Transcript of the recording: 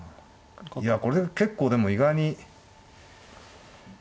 いやこれで結構でも意外に。